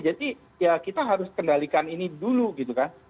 ya kita harus kendalikan ini dulu gitu kan